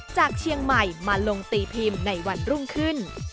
จากเชียงใหม่มาลงตีพิมพ์ในวันรุ่งขึ้น